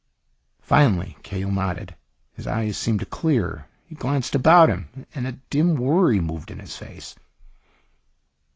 Finally Cahill nodded. His eyes seemed to clear. He glanced about him, and a dim worry moved in his face.